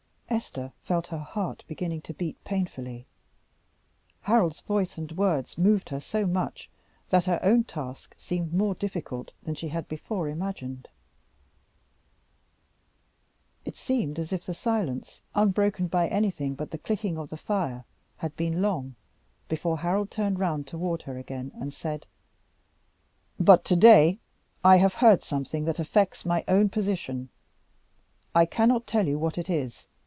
Esther felt her heart beginning to beat painfully. Harold's voice and words moved her so much that her own task seemed more difficult than she had before imagined. It seemed as if the silence, unbroken by anything but the clicking of the fire, had been long, before Harold turned round toward her again and said "But to day I have heard something that affects my own position. I cannot tell you what it is.